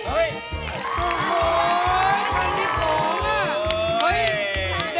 โอ้ยครั้งที่๒นะ